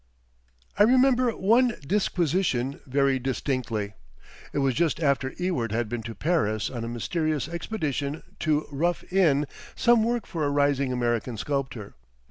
I remember one disquisition very distinctly. It was just after Ewart had been to Paris on a mysterious expedition to "rough in" some work for a rising American sculptor.